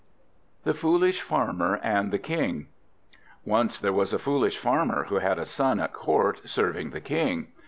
THE FOOLISH FARMER AND THE KING Once there was a foolish Farmer, who had a son at court, serving the King.